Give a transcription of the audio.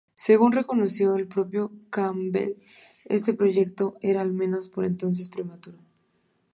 Según reconoció el propio Campbell, este proyecto era al menos por entonces prematuro.